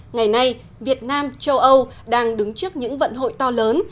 ngày nay việt nam châu âu đang đứng trước những vận hội to lớn